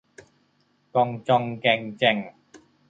ก่องจ่องแก่งแจ่ง